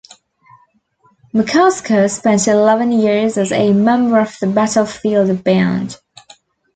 McCusker spent eleven years as a member of the Battlefield Band.